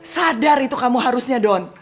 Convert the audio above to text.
sadar itu kamu harusnya dong